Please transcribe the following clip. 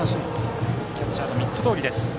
キャッチャーのミットどおりです。